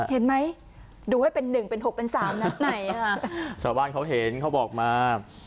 เห็นไหมดูให้เป็น๑เป็น๖เป็น๓นะชาวบ้านเขาเห็นเขาบอกมา